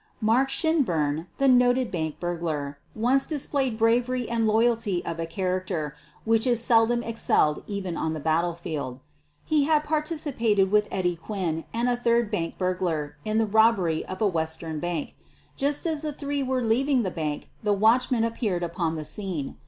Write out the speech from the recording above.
Mark Shinburn, the noted bank burglar, once dis played bravery and loyalty of a character which is seldom excelled even on the battlefield. He had participated with Eddie Quinn and a third bank burglar in the robbery of a Western bank. Just as the three were leaving the bank the watchman appeared upon the scene.